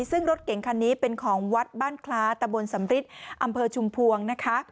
ซึ่งรถเก่งคันนี้เป็นของวัดบ้านคล้าตะบนสำริทอำเภอชุมพวงนะคะ